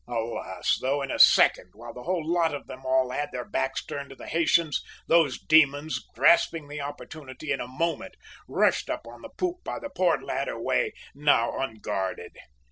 Alas! though, in a second, while the whole lot of them all had their backs turned to the Haytians, these demons, grasping the opportunity in a moment, rushed up on the poop by the port ladder way, now unguarded!